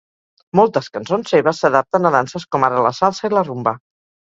Moltes cançons seves s'adapten a danses com ara la salsa i la rumba.